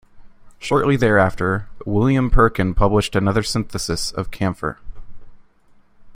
Shortly thereafter, William Perkin published another synthesis of camphor.